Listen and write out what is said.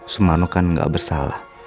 sumarno kan gak bersalah